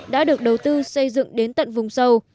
đã được đầu tư xây dựng đến tận hợp